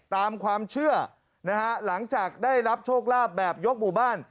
ตามความเชื่อนะฮะหลังจากได้รับโชคลาภแบบยกหมู่บ้าน